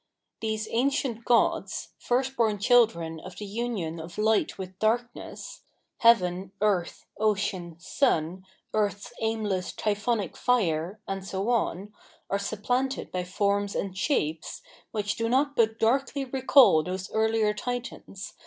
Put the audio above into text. These ancient gods, first bom children of the union of Light with Darkness, Heaven, Earth, Ocean, Sun, earth's aimless t3q)honic Fire, and so on, are supplanted by forms and shapes, which do but darkly recall those earher titans, fl.